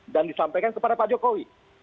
dan disampaikan kepada pak jokowi